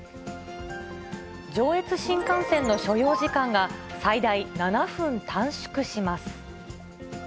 上越新幹線の所要時間が最大７分短縮します。